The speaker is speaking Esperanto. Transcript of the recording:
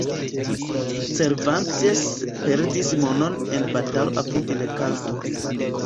Cervantes perdis manon en batalo apud Lepanto.